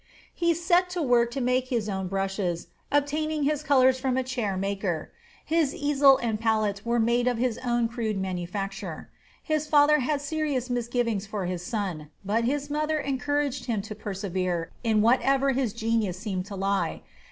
He set to work to make his own brushes, obtaining his colors from a chair maker. His easel and palette were of his own crude manufacture. The father had serious misgivings for his son; but his mother encouraged him to persevere in whatever his genius seemed to lie.